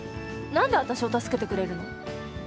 何で私を助けてくれるの？